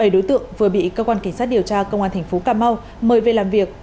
bảy đối tượng vừa bị cơ quan kinh sát điều tra công an tp cà mau mời về làm việc